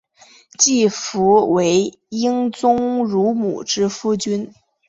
季福为英宗乳母之夫君。